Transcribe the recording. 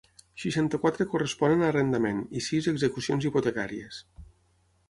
Seixanta-quatre corresponen a arrendament i sis a execucions hipotecàries.